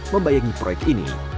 membayangi proyek ini